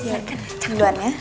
siapkan cenduan ya